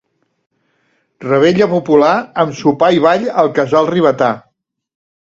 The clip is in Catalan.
Revetlla popular amb sopar i ball al Casal Ribetà.